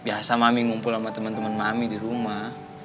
biasa mami ngumpul sama temen temen mami di rumah